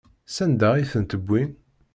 Sanda ay tent-wwin?